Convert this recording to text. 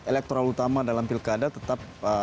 elektoral utama dalam pilkada tetap